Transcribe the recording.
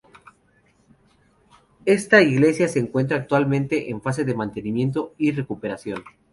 Esta iglesia se encuentra actualmente en fase de mantenimiento y recuperación.